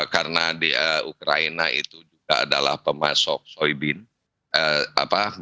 karena di ukraina itu juga adalah pemasok soya bingung